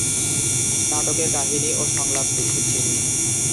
নাটকের কাহিনী ও সংলাপ লিখেন তিনি।